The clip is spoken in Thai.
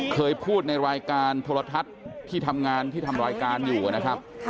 เคยพูดในรายการโทรทัศน์ที่ทำงานที่ทำรายการอยู่นะครับ